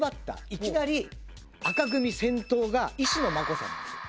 いきなり紅組先頭が石野真子さんなんですよ。